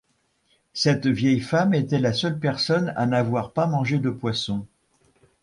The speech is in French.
Cette vieille femme était la seule personne à n'avoir pas mangé de poisson.